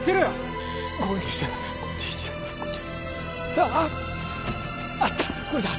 ああっあったこれだ